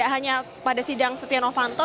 hanya pada sidang setia novanto